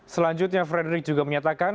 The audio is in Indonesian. selanjutnya frederick juga menyatakan